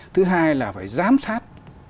thứ hai là phải giám sát